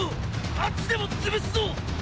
あっちでもつぶすぞっ！